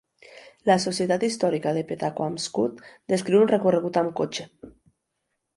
La Societat Històrica de Pettaquamscutt descriu un recorregut amb cotxe.